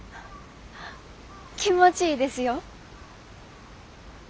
気持ちいいですよ。